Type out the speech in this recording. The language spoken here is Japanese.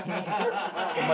お前